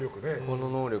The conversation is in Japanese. この能力。